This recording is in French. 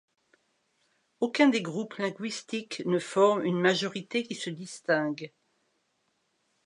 Aucun des groupes linguistiques ne forme une majorité qui se distingue.